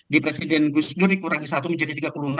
di presiden gus dur dikurangi satu menjadi tiga puluh enam